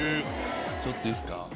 ちょっといいっすか。